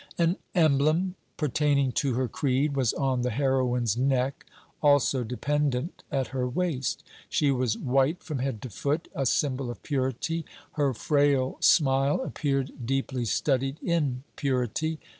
An emblem pertaining to her creed was on the heroine's neck; also dependant at her waist. She was white from head to foot; a symbol of purity. Her frail smile appeared deeply studied in purity.